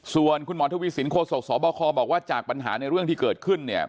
ส่วนคุณหมอทวีสินโฆษกสบคบอกว่าจากปัญหาในเรื่องที่เกิดขึ้นเนี่ย